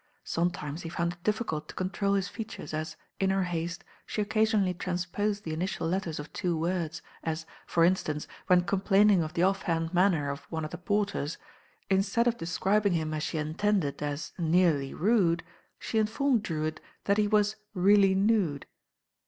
Sometimes he found it difficult to control his features as, m her haste, she occasionally transposed the initia letters of two words, as, for instance, when complaming of the off hand manner of one of the porters, instead of describing him as she intended as ^nearly rude ' she informed Drewitt that he was really nude."